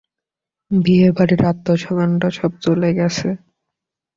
বিয়েবাড়ির আত্মীয়স্বজনরা সব চলে গেছে।